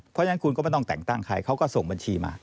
เพราะฉะนั้นคุณก็ไม่ต้องแต่งตั้งใครเขาก็ส่งบัญชีมา